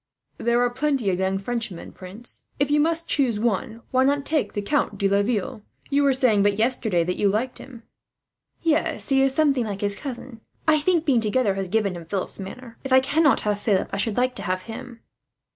"There are plenty of young Frenchmen, prince. If you must choose one, why not take the Count de Laville? You were saying, but yesterday, that you liked him." "Yes, he is something like his cousin. I think being together has given him Philip's manner. If I cannot have Philip, I should like to have him."